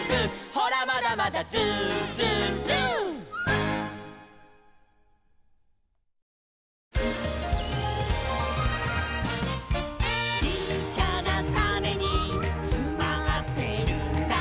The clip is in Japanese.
「ほらまだまだＺｏｏＺｏｏＺｏｏ」「ちっちゃなタネにつまってるんだ」